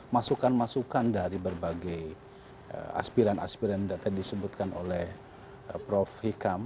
masukan masukan dari berbagai aspiran aspiran yang tadi disebutkan oleh prof hikam